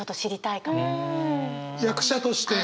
役者として。